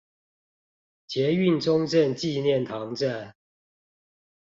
捷運中正紀念堂站